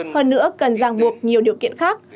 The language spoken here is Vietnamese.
hơn nữa cần giang buộc nhiều điều kiện khác